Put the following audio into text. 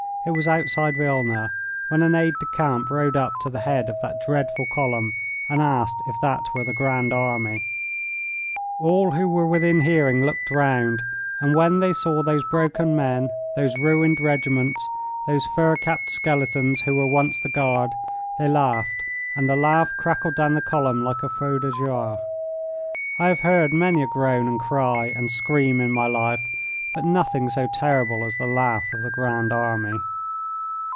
It was outside Wilna, when an aide de camp rode up to the head of that dreadful column and asked if that were the Grand Army. All who were within hearing looked round, and when they saw those broken men, those ruined regiments, those fur capped skeletons who were once the Guard, they laughed, and the laugh crackled down the column like a feu de joie. I have heard many a groan and cry and scream in my life, but nothing so terrible as the laugh of the Grand Army.